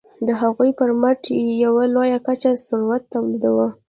د هغوی پرمټ یې په لویه کچه ثروت تولیداوه.